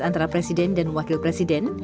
antara presiden dan wakil presiden